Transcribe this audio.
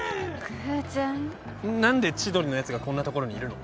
何で千鳥のやつがこんな所にいるの？